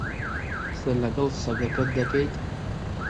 قسە لەگەڵ سەگەکەت دەکەیت؟